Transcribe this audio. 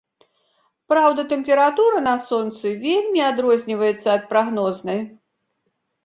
Праўда, тэмпература на сонцы вельмі адрозніваецца ад прагнознай.